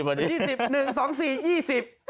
๒๐อันนี้๒๑๒๔๒๐